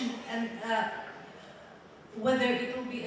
dan kita melakukannya